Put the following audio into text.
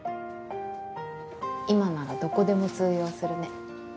今ならどこでも通用するね。